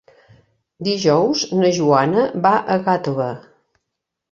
Dijous na Joana va a Gàtova.